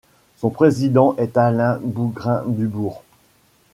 Son président est Allain Bougrain-Dubourg.